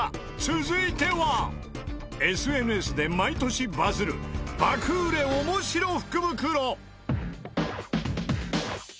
続いてはＳＮＳで毎年バズる爆売れオモシロ福袋。